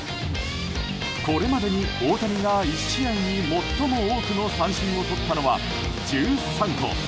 これまでに、大谷が１試合に最も多くの三振をとったのは１３個。